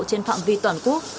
trên phạm vi toàn quốc